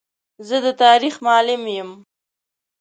زه د تاریخ معلم یم.